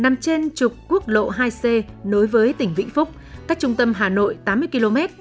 nằm trên trục quốc lộ hai c nối với tỉnh vĩnh phúc cách trung tâm hà nội tám mươi km